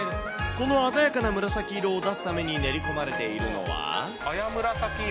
この鮮やかな紫色を出すために練り込まれているのは。